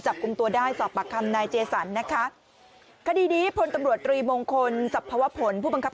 จะตรงตัวได้สอบปากคำนายเจสังนะคะคดีนี้ผนตำรวจตรีมงคลทผู้บังคับ